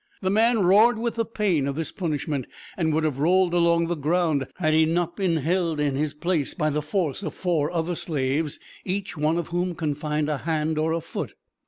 The man roared with the pain of this punishment, and would have rolled along the ground, had he not been held in his place by the force of four other slaves, each one of whom confined a hand or a foot.